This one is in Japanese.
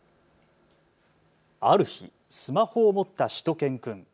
ある日、スマホを持ったしゅと犬くん。